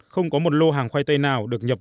không có một lô hàng khoai tây nào được nhập